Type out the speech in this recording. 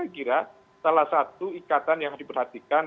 ini saya kira salah satu ikatan yang harus diperhatikan